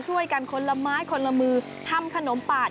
ช่วยกันคนละไม้คนละมือทำขนมปาด